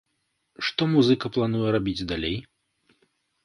Што музыка плануе рабіць далей?